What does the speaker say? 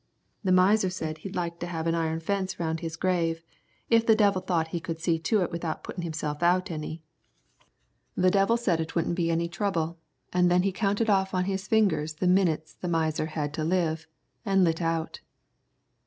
The miser said he'd like to have an iron fence round his grave, if the devil thought he could see to it without puttin' himself out any. The devil said it wouldn't be any trouble, an' then he counted off on his fingers the minutes the miser had to live, an' lit out.